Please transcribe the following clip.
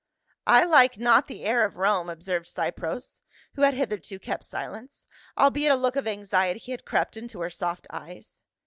" I like not the air of Rome," observed Cypres, who had hitherto kept silence, albeit a look of anxict) had crept into her soft eyes.